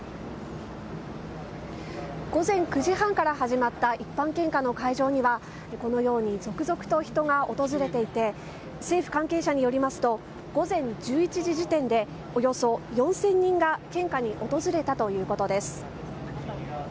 午前９時半から始まった一般献花の会場には、このように続々と人が訪れていて、政府関係者によりますと、午前１１時時点で、およそ４０００人が献花に訪れたということです。